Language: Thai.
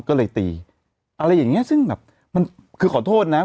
ก็เลยตีอะไรอย่างเงี้ยซึ่งแบบมันคือขอโทษนะ